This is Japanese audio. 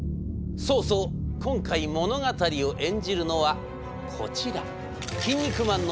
そうそう今回物語を演じるのはこちら。